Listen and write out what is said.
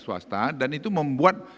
swasta dan itu membuat